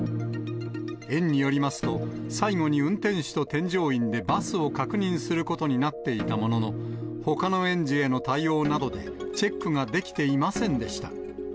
園によりますと、最後に運転手と添乗員でバスを確認することになっていたものの、ほかの園児への対応などで、チェックができていませんでした。